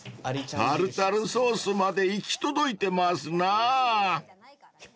［タルタルソースまで行き届いてますなぁ］